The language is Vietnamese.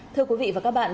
thưa quý vị và các bạn